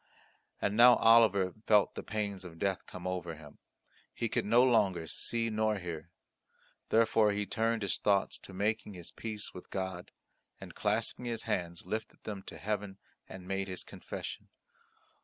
And now Oliver felt the pains of death come over him. He could no longer see nor hear. Therefore he turned his thoughts to making his peace with God, and clasping his hands lifted them to heaven and made his confession.